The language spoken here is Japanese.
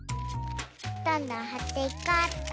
どんどんはっていこうっと。